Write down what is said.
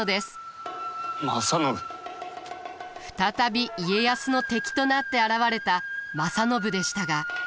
再び家康の敵となって現れた正信でしたが。